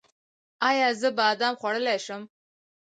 ایا زه بادام خوړلی شم؟